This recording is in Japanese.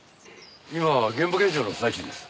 今は現場検証の最中です。